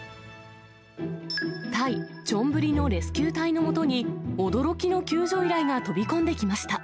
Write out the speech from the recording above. タイ・チョンブリのレスキュー隊のもとに、驚きの救助依頼が飛び込んできました。